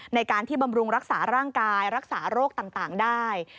ในการที่บำรุงรักษาร่างกายรักษาโรคต่างได้